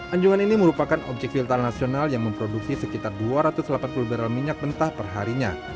anjungan ini merupakan objek filter nasional yang memproduksi sekitar dua ratus delapan puluh barrel minyak mentah perharinya